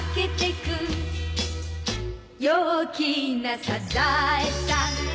「陽気なサザエさん」